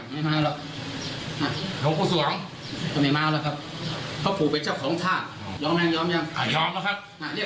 ไม่มาหรอกไม่มาหรอกเพราะผู้เป็นเจ้าของท่ายอมหรือยังเรียกผู้ชาญญาณทิพย์